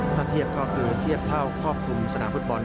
ถ้าเทียบก็คือเทียบเท่าครอบคลุมสนามฟุตบอล